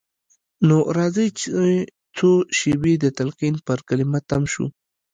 نو راځئ چې څو شېبې د تلقين پر کلمه تم شو.